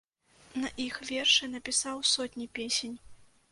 На іх вершы напісаў сотні песень.